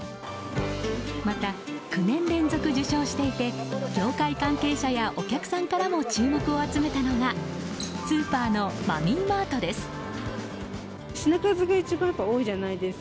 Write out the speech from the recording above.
また、９年連続受賞していて業界関係者や、お客さんからも注目を集めたのがスーパーのマミーマートです。